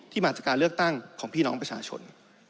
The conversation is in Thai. มาจากการเลือกตั้งของพี่น้องประชาชน